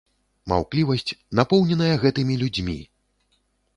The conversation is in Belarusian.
Маўклівасць, напоўненая гэтымі людзьмі!